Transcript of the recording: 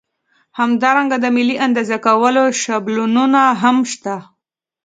همدارنګه د ملي اندازه کولو شابلونونه هم شته.